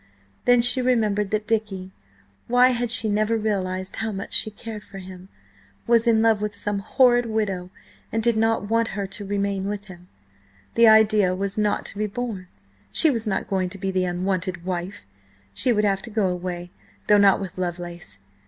Then she remembered that Dicky–why had she never realised how much she cared for him?–was in love with some horrid widow, and did not want her to remain with him. The idea was not to be borne, she was not going to be the unwanted wife. She would have to go away, though not with Lovelace.